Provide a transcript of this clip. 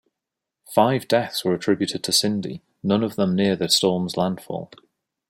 Five deaths were attributed to Cindy, none of them near the storm's landfall.